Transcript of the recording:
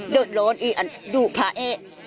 เดินโหลนอีกอันดูภาเอ๊ะ